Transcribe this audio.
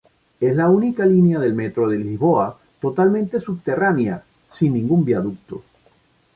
Es la única línea del Metro de Lisboa totalmente subterránea, sin ningún viaducto.